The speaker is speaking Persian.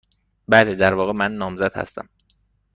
بله. در واقع، من نامزد هستم.